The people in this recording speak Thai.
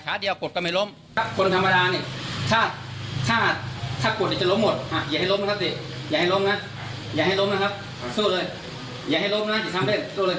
มีใครทดสอบไหมครับ